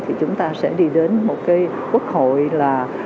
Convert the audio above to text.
thì chúng ta sẽ đi đến một cái quốc hội là